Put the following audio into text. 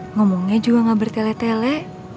ngomongnya juga gak bertele tele